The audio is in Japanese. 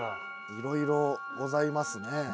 いろいろございますね。